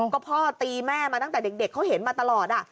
ก็พ่อตีแม่มาตั้งแต่เด็กเขาเห็นมาตลอด